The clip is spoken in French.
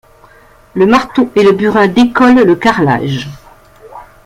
le marteau et le burin décolle le carrelage